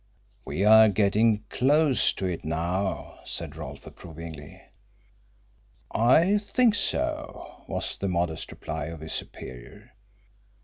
"We are getting close to it now," said Rolfe, approvingly. "I think so," was the modest reply of his superior.